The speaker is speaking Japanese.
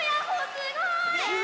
すごいね！